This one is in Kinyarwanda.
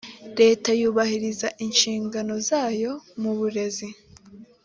leta yubahiriza inshingano zayo mu burezi